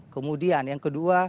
kemudian yang kedua